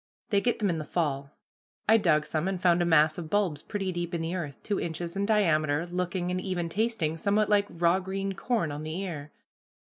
They get them in the fall. I dug some, and found a mass of bulbs pretty deep in the earth, two inches in diameter, looking, and even tasting, somewhat like raw green corn on the ear.